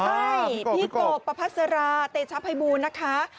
ใช่พี่โกประพัสราเตชภัยบูรณ์นะคะ